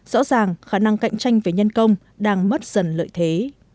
rõ ràng khả năng cạnh tranh về nhân công đang mất dần lợi thế